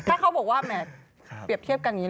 ถ้าเขาบอกว่าแหมเปรียบเทียบกันอย่างนี้